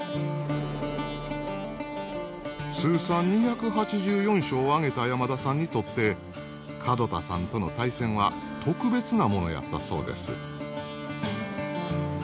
通算２８４勝をあげた山田さんにとって門田さんとの対戦は特別なものやったそうです。